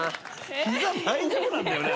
膝大丈夫なんだよね？